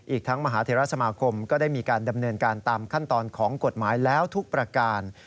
อีกทั้งมหาเทราสมาคมก็ได้มีการดำเนินการตามขั้นตอนของกฎหมายแล้วทุกประการ